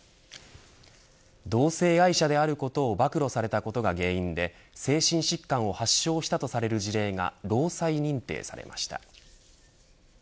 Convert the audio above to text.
同性愛者であることを暴露されたことが原因で精神疾患を発症したとされる事例が、労災認定されました。